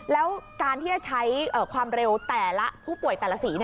แล้วการที่จะใช้ความเร็วแต่ละผู้ป่วยแต่ละสี